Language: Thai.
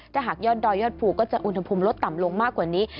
ถ้าหากยอดดอยยอดภูก็จะอุณหภูมิลดต่ำลงมากกว่านี้